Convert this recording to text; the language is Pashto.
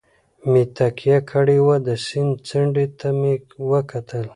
مې تکیه کړې وه، د سیند څنډې ته مې وکتل.